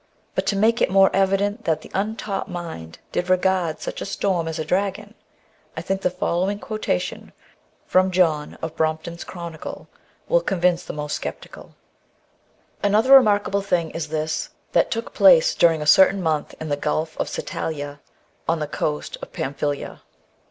But to make it more evident that the untaught mind did regard such a storm as a dragon, I think the following quotation from John of Brorrvpton'B Chronicle will convince the most sceptical :" Another remarkable thing is this, that took place during a certain month in the Gulf of Satalia (on the coast of PamphyUa).